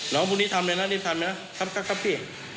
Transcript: น้องพรุ่งนี้ทำเลยนะเรียบทำเลยนะครับครับครับพี่